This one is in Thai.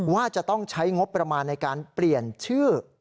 ว่าจะต้องใช้งบประมาณในการเปลี่ยนชื่อ